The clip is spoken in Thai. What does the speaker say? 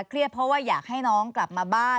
เครียดเพราะว่าอยากให้น้องกลับมาบ้าน